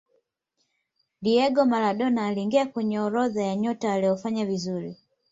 diego maradona aliingia kwenye orodha ya nyota waliofanya vizuri